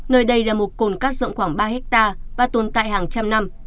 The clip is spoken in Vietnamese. nơi đây là một cồn cát rộng khoảng ba hectare và tồn tại hàng trăm năm